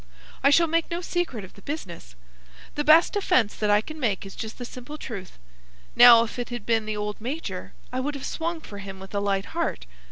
I shall make no secret of the business. The best defence that I can make is just the simple truth. Now, if it had been the old major I would have swung for him with a light heart.